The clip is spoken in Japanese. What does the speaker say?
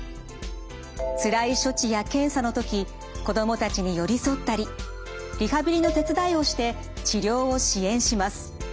つらい処置や検査の時子供たちに寄り添ったりリハビリの手伝いをして治療を支援します。